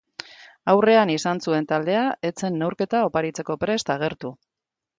Aurrean izan zuen taldea ez zen neurketa oparitzeko prest agertu.